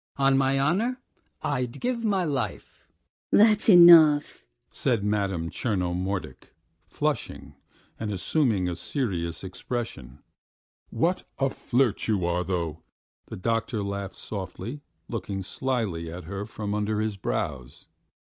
"On my honour, I'd give my life." "That's enough," said Madame Tchernomordik, flushing and assuming a serious expression. "What a flirt you are, though!" the doctor laughed softly, looking slyly at her from under his brows.